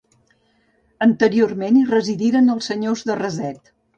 Anteriorment hi residiren els senyors de Raset.